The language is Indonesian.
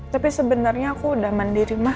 tapi sebenarnya aku udah mandiri mah